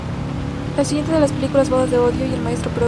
Le siguen las películas "Bodas de odio" y "El maestro prodigioso".